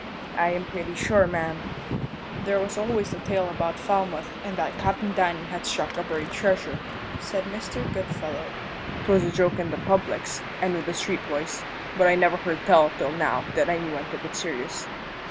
"I am pretty sure, ma'am." "There was always a tale about Falmouth that Cap'n Danny had struck a buried treasure," said Mr. Goodfellow. "'Twas a joke in the publics, and with the street boys; but I never heard tell till now that any one took it serious."